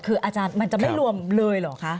คืออาจารย์มันจะไม่รวมเลยเหรอคะ